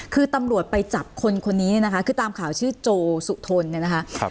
คือตำรวจไปจับคนคนนี้เนี่ยนะคะคือตามข่าวชื่อโจสุทนเนี่ยนะคะ